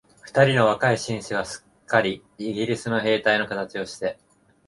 二人の若い紳士が、すっかりイギリスの兵隊のかたちをして、